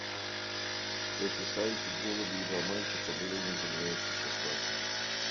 Эти сайки, голуби и два мальчика были неземные существа.